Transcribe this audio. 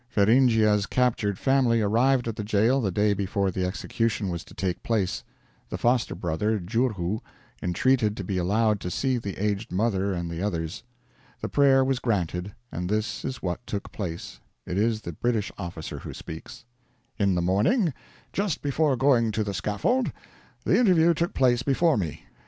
Feringhea's captured family arrived at the jail the day before the execution was to take place. The foster brother, Jhurhoo, entreated to be allowed to see the aged mother and the others. The prayer was granted, and this is what took place it is the British officer who speaks: "In the morning, just before going to the scaffold, the interview took place before me.